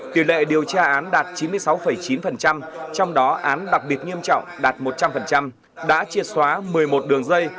tỷ lệ điều tra án đạt chín mươi sáu chín trong đó án đặc biệt nghiêm trọng đạt một trăm linh đã chia xóa một mươi một đường dây